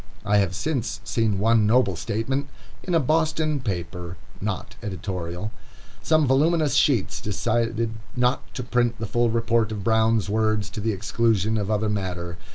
I have since seen one noble statement, in a Boston paper, not editorial. Some voluminous sheets decided not to print the full report of Brown's words to the exclusion of other matter.